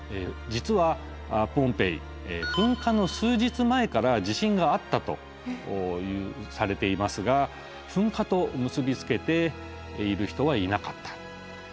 実はポンペイ噴火の数日前から地震があったとされていますが噴火と結び付けている人はいなかった。